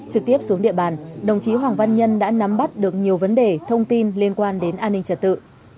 trực tiếp xuống địa bàn đồng chí hoàng văn nhân đã nắm bắt được nhiều vấn đề thông tin liên quan đến an ninh trật tự